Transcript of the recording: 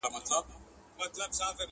هغه بورا وي همېشه خپله سینه څیرلې!